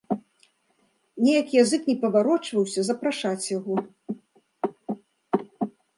Неяк язык не паварочваўся запрашаць яго.